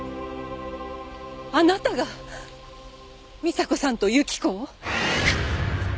あなたが美砂子さんと雪子を？